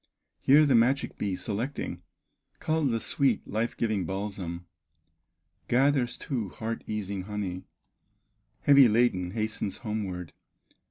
Here the magic bee, selecting, Culls the sweet, life giving balsam, Gathers too, heart easing honey, Heavy laden hastens homeward.